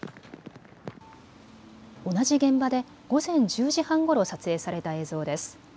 同じ現場で午前１０時半ごろ撮影された映像です。